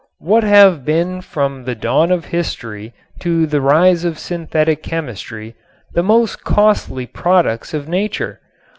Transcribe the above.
What have been from the dawn of history to the rise of synthetic chemistry the most costly products of nature?